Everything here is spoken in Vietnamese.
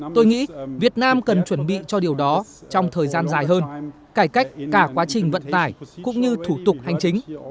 tôi nghĩ việt nam cần chuẩn bị cho điều đó trong thời gian dài hơn cải cách cả quá trình vận tải cũng như thủ tục hành chính